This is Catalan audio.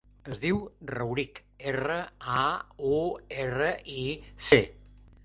Es diu Rauric: erra, a, u, erra, i, ce.